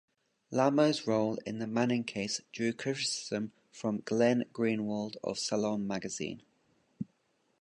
Lamo's role in the Manning case drew criticism from Glenn Greenwald of "Salon Magazine".